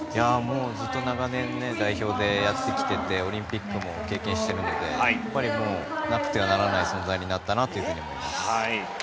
ずっと長年代表でやってきていてオリンピックも経験しているのでなくてはならない存在になったと思います。